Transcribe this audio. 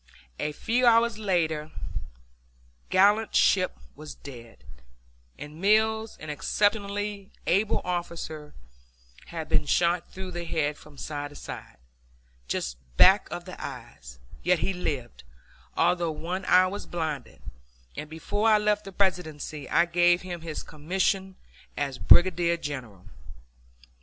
A few hours later gallant Shipp was dead, and Mills, an exceptionally able officer, had been shot through the head from side to side, just back of the eyes; yet he lived, although one eye was blinded, and before I left the Presidency I gave him his commission as Brigadier General.